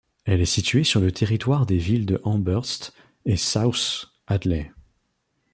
Elle est située sur le territoire des villes de Amherst et South Hadley.